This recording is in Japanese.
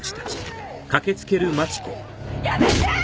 やめて！